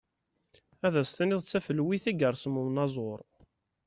Ad as-tiniḍ d tafelwit i yersem unaẓur.